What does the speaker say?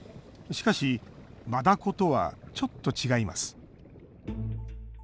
しかしマダコとはちょっと違います。